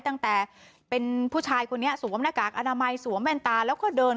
ตั้งแต่เป็นผู้ชายคนนี้สวมหน้ากากอนามัยสวมแว่นตาแล้วก็เดิน